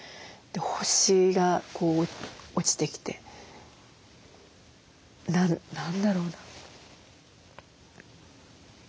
星がこう落ちてきて何だろうな。